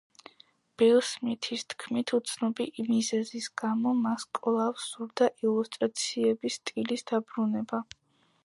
ბილ სმითის თქმით, უცნობი მიზეზის გამო, მას კვლავ სურდა ილუსტრაციების სტილის დაბრუნება.